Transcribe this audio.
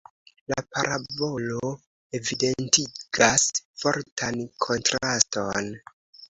La parabolo evidentigas fortan kontraston.